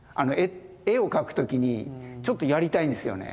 絵を描く時にちょっとやりたいんですよね。